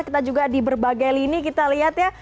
kita juga di berbagai lini kita lihat ya